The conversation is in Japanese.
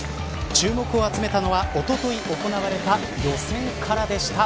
注目を集めたのはおととい行われた予選からでした。